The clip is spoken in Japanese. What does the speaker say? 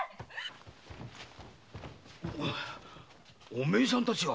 お前さんたちは。